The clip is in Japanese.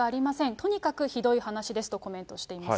とにかくひどい話ですとコメントしています。